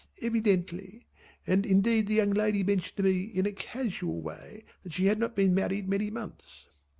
Evidently. And indeed the young lady mentioned to me in a casual way that she had not been married many months."